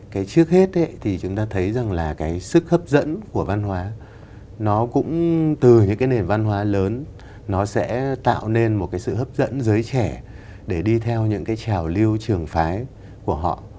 cái trước hết thì chúng ta thấy rằng là cái sức hấp dẫn của văn hóa nó cũng từ những cái nền văn hóa lớn nó sẽ tạo nên một cái sự hấp dẫn giới trẻ để đi theo những cái trào lưu trường phái của họ